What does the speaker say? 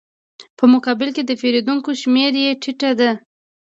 په مقابل کې د پېرودونکو شمېره یې ټیټه ده